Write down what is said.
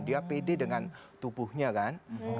dia pede dengan tubuhnya kan